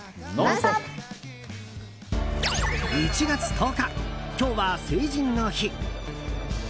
１月１０日今日は成人の日。